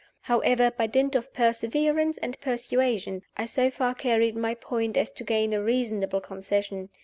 However, by dint of perseverance and persuasion, I so far carried my point as to gain a reasonable concession.